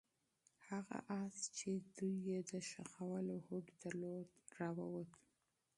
هغه آس چې دوی یې د ښخولو هوډ درلود راووت.